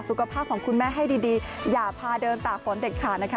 สุขภาพของคุณแม่ให้ดีอย่าพาเดินตากฝนเด็ดขาดนะคะ